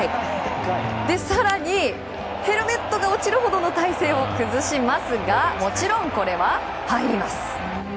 更にヘルメットが落ちるほど体勢を崩しますがもちろん、これは入ります。